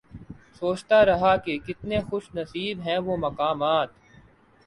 سوچتا رہا کہ کتنے خوش نصیب ہیں وہ مقامات